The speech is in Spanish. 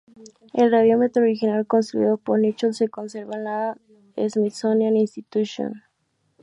El radiómetro original construido por Nichols se conserva en la Smithsonian Institution.